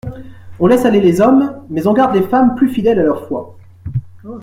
On laisse aller les hommes, mais on garde les femmes plus fidèles à leur foi.